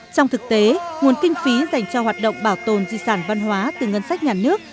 trong thực tế nguồn kinh phí dành cho hoạt động bảo tồn di sản văn hóa từ ngân sách nhà nước